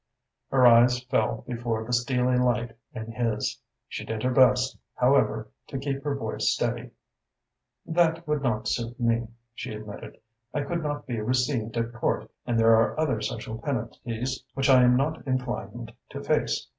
Her eyes fell before the steely light in his. She did her best, however, to keep her voice steady. "That would not suit me," she admitted. "I could not be received at Court, and there are other social penalties which I am not inclined to face.